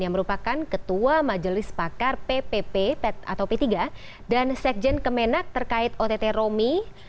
yang merupakan ketua majelis pakar ppp atau p tiga dan sekjen kemenak terkait ott romi